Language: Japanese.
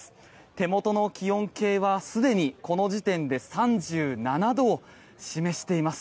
手元の気温計はすでにこの時点で３７度を示しています。